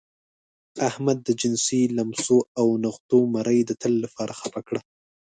احمد د جنسي لمسو او نغوتو مرۍ د تل لپاره خپه کړه.